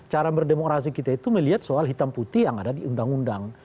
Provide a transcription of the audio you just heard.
cara berdemokrasi kita itu melihat soal hitam putih yang ada di undang undang